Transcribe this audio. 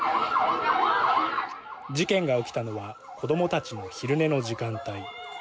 事件が起きたのは子どもたちの昼寝の時間帯。